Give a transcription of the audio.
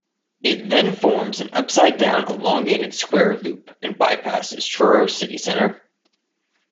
It then forms an upside down elongated square loop, and bypasses Truro City Centre.